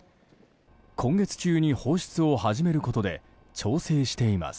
今月中に放出を始めることで調整しています。